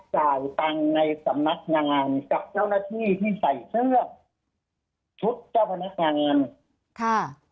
จ่ายตังค์ในสำนักงานกับเจ้าหน้าที่ที่ใส่เสื้อชุดเจ้าพนักงานเงินค่ะ